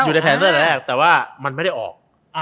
อยู่ในแผนตั้งแต่แรกแต่ว่ามันไม่ได้ออก